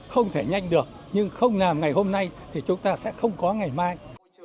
không thể nhanh được nhưng không làm ngày hôm nay thì chúng ta sẽ không có ngày mai